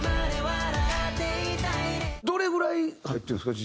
どれぐらい入ってるんですか？